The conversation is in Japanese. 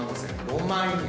５万円。